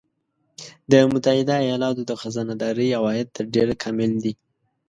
د متحده ایالاتو د خزانه داری عواید تر ډېره کامل دي